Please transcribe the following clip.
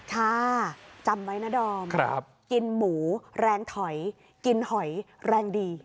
ค่ะจำไว้นะดอมกินหมูแรงถอยกินหอยแรงดี